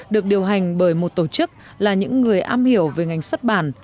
được điều hành bởi một tổ chức là những người am hiểu về ngành xuất bản